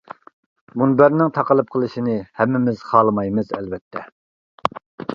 مۇنبەرنىڭ تاقىلىپ قېلىشىنى ھەممىمىز خالىمايمىز ئەلۋەتتە!